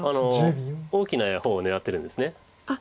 大きな方を狙ってるんです。